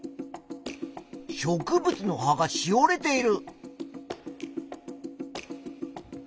植物の葉がしおれている。